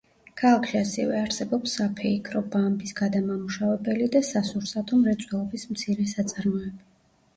ქალაქში ასევე არსებობს საფეიქრო, ბამბის გადამამუშავებელი და სასურსათო მრეწველობის მცირე საწარმოები.